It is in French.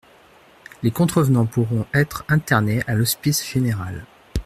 Les contrevenants pourront être internés à l'Hospice Général.